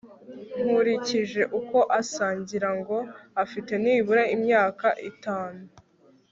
nkurikije uko asa, ngira ngo afite nibura imyaka itanu